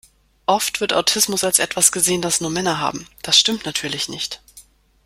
Oft wird Autismus als etwas gesehen, das nur Männer haben. Das stimmt natürlich nicht.